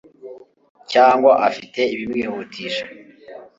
cyangwa afite ibimwihutisha